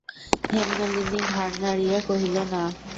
হেমনলিনী ঘাড় নাড়িয়া কহিল, না।